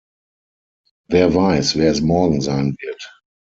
Wer weiß, wer es morgen sein wird.